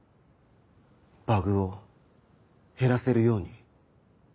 バグを減らせるように？